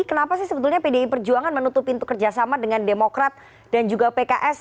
kenapa sih sebetulnya pdi perjuangan menutup pintu kerjasama dengan demokrat dan juga pks